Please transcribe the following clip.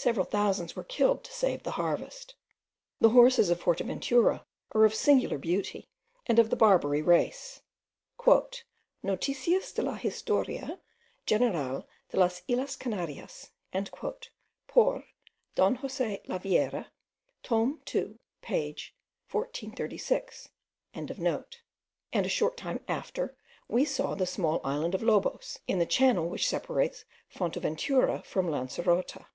Several thousands were killed to save the harvest. The horses of Forteventura are of singular beauty, and of the Barbary race. "Noticias de la Historia General de las Islas Canarias" por Don Jose de Viera, tome 2 page 436.) and a short time after we saw the small island of Lobos in the channel which separates Forteventura from Lancerota.